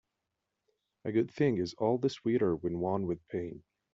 A good thing is all the sweeter when won with pain.